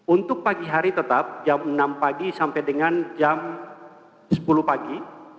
untuk pagi hari tetap jam enam pagi sampai dengan jam sepuluh pagi